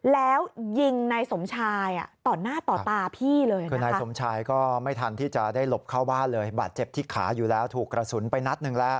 แล้วยิงนายสมชายต่อหน้าต่อตาพี่เลยคือนายสมชายก็ไม่ทันที่จะได้หลบเข้าบ้านเลยบาดเจ็บที่ขาอยู่แล้วถูกกระสุนไปนัดหนึ่งแล้ว